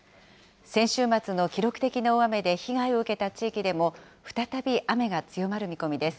先週末の記録的な大雨で被害を受けた地域でも、再び雨が強まる見込みです。